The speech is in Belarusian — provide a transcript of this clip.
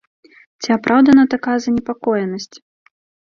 Ці апраўдана такая занепакоенасць?